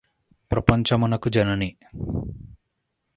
ప్రపంచమునకు జనని